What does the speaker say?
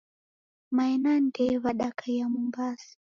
Mae na ndee w'adakaia Mombasa.